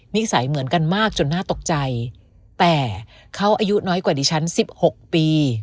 นิสัยเหมือนกันมากจนน่าตกใจแต่เขาอายุน้อยกว่าดิฉัน๑๖ปี